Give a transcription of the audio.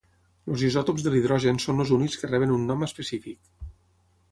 Els isòtops de l'hidrogen són els únics que reben un nom específic.